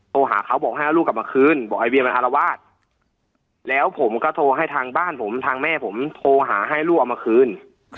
โทรหาเขาบอกให้เอาลูกกลับมาคืนบอกไอเวียมันอารวาสแล้วผมก็โทรให้ทางบ้านผมทางแม่ผมโทรหาให้ลูกเอามาคืน